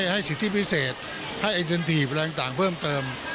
ให้สิทธิพิเศษให้ไอเซ็นทีฟอะไรต่างเพิ่มเติม